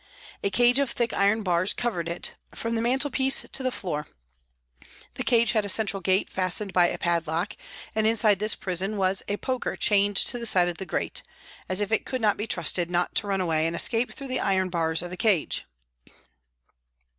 A cage of thick iron bars covered it, from the mantelpiece to the floor, the cage had a central gate fastened by a padlock and inside this prison was a poker chained to the side of the grate, as if it could not be trusted not to run away and escape through the iron bars of the cage.